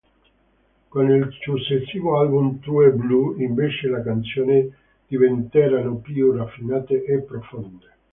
Con il successivo album True Blue, invece le canzoni diventeranno più raffinate e profonde.